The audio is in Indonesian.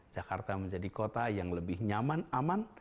jakarta menjadi kota yang lebih nyaman aman